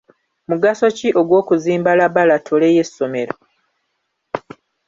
Mugaso ki ogw'okuzimba labalatole y'essomero?